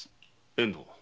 遠藤。